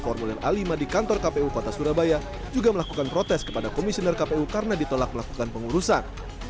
formulir a lima di kantor kpu kota surabaya juga melakukan protes kepada komisioner kpu karena ditolak melakukan pengurusan